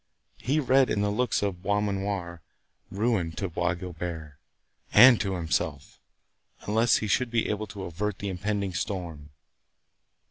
He read in the looks of Beaumanoir ruin to Bois Guilbert and to himself, unless he should be able to avert the impending storm.